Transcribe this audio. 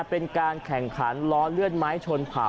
เป็นการแข่งขันล้อเลื่อนไม้ชนเผา